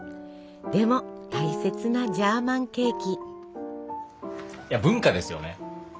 でも大切なジャーマンケーキ。